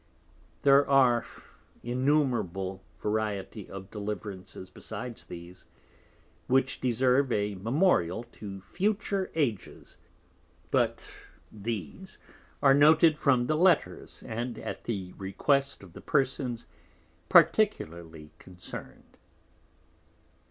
There are an innumerable variety of Deliverances, besides these, which deserve a Memorial to future Ages; but these are noted from the Letters, and at the Request of the Persons particularly concern'd.